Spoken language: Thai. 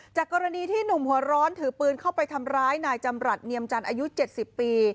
จากกรณีที่หนุ่มหัวร้อนถือปืนเข้าไปทำร้ายนายจำรัฐเนียมจันทร์อายุ๗๐ปี